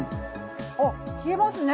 あっ冷えますね。